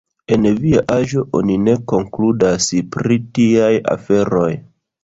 En via aĝo oni ne konkludas pri tiaj aferoj.